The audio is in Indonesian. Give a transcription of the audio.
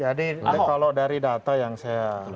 jadi kalau dari data yang saya